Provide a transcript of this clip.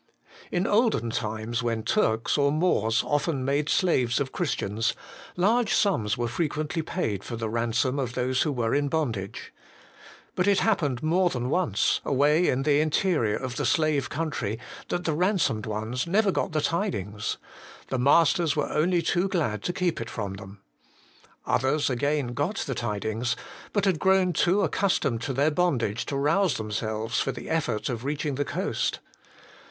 In olden times, when Turks or Moors often made slaves of Christians, large sums were frequently paid for the ransom of those who were in bondage. But it happened more than once, away in the interior of the slave country, that the ransomed ones never got the tidings ; the masters were only too glad to keep it from them. Others, again, got the tidings, but had grown too accustomed to their bondage to rouse themselves for the effort of reach ing the coast.